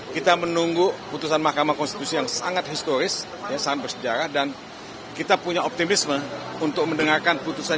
kita menunggu putusan mahkamah konstitusi yang sangat historis sangat bersejarah dan kita punya optimisme untuk mendengarkan putusan